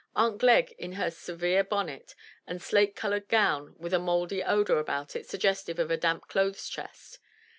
Aunt Glegg in her severe bonnet and slate colored gown with a mouldy odor about it suggestive of a damp clothes chest.